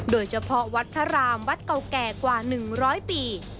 โดยเฉพาะวัดพระรามวัดเก่าแก่กว่า๑๐๐ปี